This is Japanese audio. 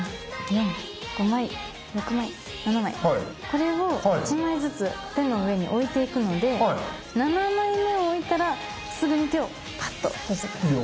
これを１枚ずつ手の上に置いていくので７枚目を置いたらすぐに手をパッと閉じて下さい。